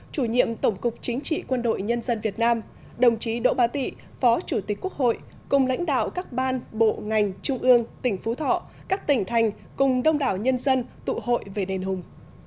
chủ nhiệm tổng cục chính trị quân đội nhân dân việt nam đồng chí đỗ ba tị phó chủ tịch quốc hội cùng lãnh đạo các ban bộ ngành trung ương tỉnh phú thọ các tỉnh thành cùng đông đảo nhân dân tụ hội về đền hùng